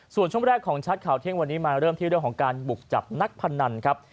ส่วนช่วงแรกของชัดข่าวเที่ยงวันนี้มาเริ่มที่เรื่องของการบุกจับนักพนันครับ